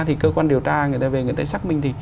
thì cơ quan điều tra người ta về người ta xác minh thì